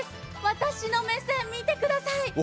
私の目線、見てください。